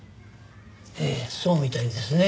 ええそうみたいですね。